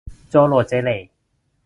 โจ่โหล่เจ่เหล่